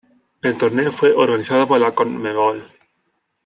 El torneo fue organizado por la Conmebol.